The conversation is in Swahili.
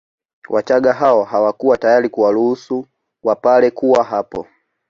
Wachaga hao hawakuwa tayari kuwaruhusu Wapare kuwa hapo